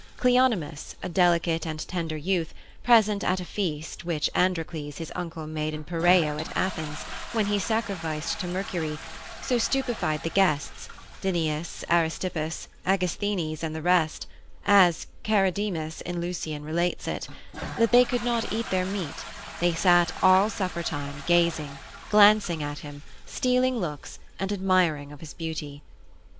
Cleonimus, a delicate and tender youth, present at a feast which Androcles his uncle made in Piraeo at Athens, when he sacrificed to Mercury, so stupefied the guests, Dineas, Aristippus, Agasthenes, and the rest (as Charidemus in Lucian relates it), that they could not eat their meat, they sat all supper time gazing, glancing at him, stealing looks, and admiring of his beauty.